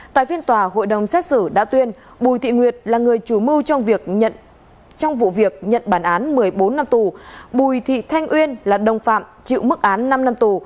tại phiên tòa hội đồng xét xử đã tuyên bùi thị nguyệt là người chủ mưu trong việc trong vụ việc nhận bản án một mươi bốn năm tù bùi thị thanh uyên là đồng phạm chịu mức án năm năm tù